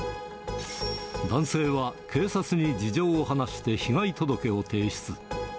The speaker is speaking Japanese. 男性は警察に事情を話して、被害届を提出。